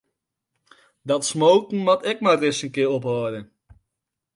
Dat smoken moat ek mar ris in kear ophâlde.